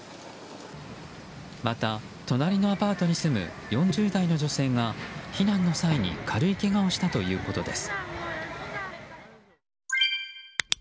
また、隣のアパートに住む４０代の女性が避難の際に軽いけがをしたということです。